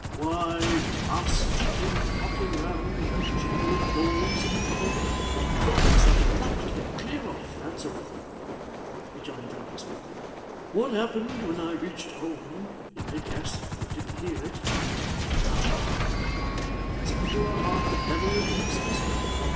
'Why, the masks came flocking round, with a general noise and hubbub, and I thought myself in luck to get clear off, that's all,' rejoined the locksmith. 'What happened when I reached home you may guess, if you didn't hear it. Ah! Well, it's a poor heart that never rejoices.